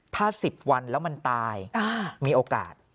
ถ้า๑๐วันแล้วมันตายมีโอกาส